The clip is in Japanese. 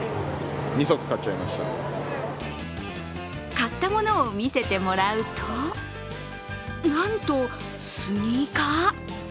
買ったものを見せてもらうと、なんとスニーカー。